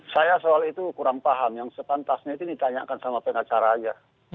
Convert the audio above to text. saya soal itu kurang paham yang sepantasnya itu ditanyakan sama pengacara aja